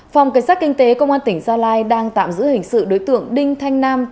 phòng cảnh sát kinh tế công an tỉnh gia lai đang tạm giữ hình sự đối tượng đinh thanh nam